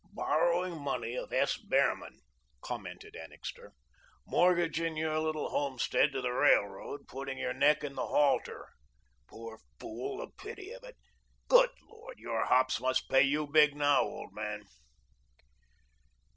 "Borrowing money of S. Behrman," commented Annixter, "mortgaging your little homestead to the railroad, putting your neck in the halter. Poor fool! The pity of it. Good Lord, your hops must pay you big, now, old man."